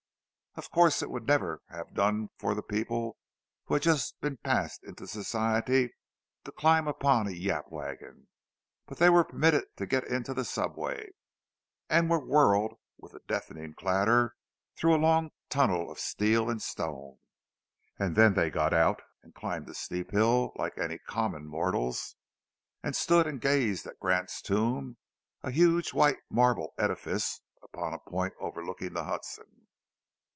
Of course it would never have done for people who had just been passed into Society to climb upon a "yap wagon"; but they were permitted to get into the subway, and were whirled with a deafening clatter through a long tunnel of steel and stone. And then they got out and climbed a steep hill like any common mortals, and stood and gazed at Grant's tomb: a huge white marble edifice upon a point overlooking the Hudson.